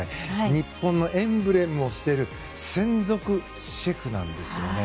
日本のエンブレムをしている専属シェフなんですよね。